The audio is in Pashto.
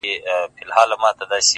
راځي سبا ـ